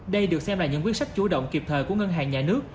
đây được xem là những quyết sách chủ động kịp thời của ngân hàng nhà nước